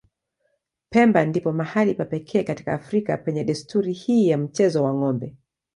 Pemba ndipo mahali pa pekee katika Afrika penye desturi hii ya mchezo wa ng'ombe.